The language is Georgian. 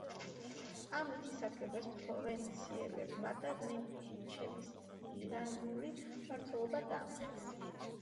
ამით ისარგებლეს ფლორენციელებმა და მედიჩების ტირანული მმართველობა დაამხეს.